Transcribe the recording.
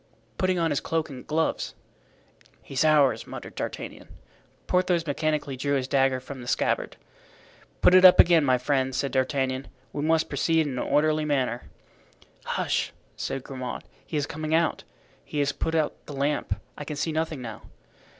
"Putting on his cloak and gloves." "He's ours," muttered D'Artagnan. Porthos mechanically drew his dagger from the scabbard. "Put it up again, my friend," said D'Artagnan. "We must proceed in an orderly manner." "Hush!" said Grimaud, "he is coming out. He has put out the lamp, I can see nothing now."